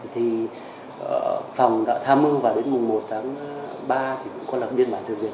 thì phòng đã tham mưu vào đến mùng một tháng ba thì cũng có lập biên bản trực viện